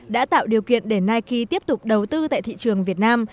đã tạo điều kiện để nike tiếp tục đầu tư tại thị trường việt nam